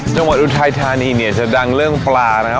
อุทัยธานีเนี่ยจะดังเรื่องปลานะครับ